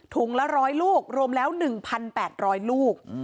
ละ๑๐๐ลูกรวมแล้ว๑๘๐๐ลูก